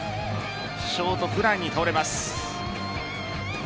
ショートフライに倒れます。